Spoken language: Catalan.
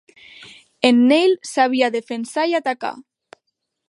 En Neil sabia defensar i atacar.